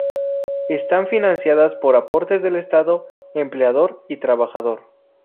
Están financiadas por aportes del Estado, empleador y trabajador.